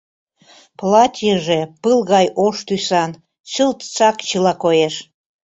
Платьыже пыл гай ош тӱсан, чылт сакчыла коеш.